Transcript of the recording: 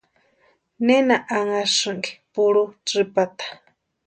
¿Nena anhasïnki purhu tsïpata?